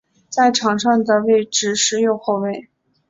在场上的位置是右后卫。